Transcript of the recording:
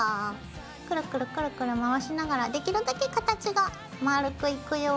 クルクルクルクル回しながらできるだけ形が丸くいくように。